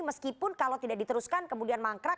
meskipun kalau tidak diteruskan kemudian mangkrak